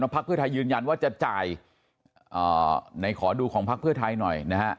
พักเพื่อไทยยืนยันว่าจะจ่ายในขอดูของพักเพื่อไทยหน่อยนะฮะ